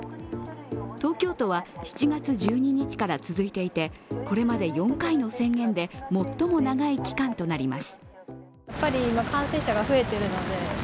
東京都は７月１２日から続いていてこれまで４回の宣言で最も長い期間となります。